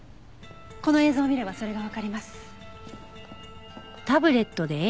この映像を見ればそれがわかります。